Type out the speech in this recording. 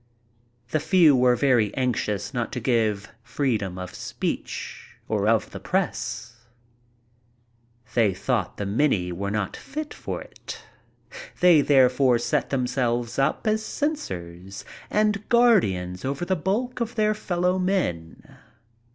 The few were very anxious not to give freedom of speech or of the press. They thought the many were not fit for it They therefore set themselves up as censors and guardians over the bulk of their fellow men.